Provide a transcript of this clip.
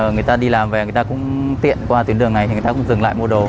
người ta đi làm về người ta cũng tiện qua tuyến đường này thì người ta cũng dừng lại mua đồ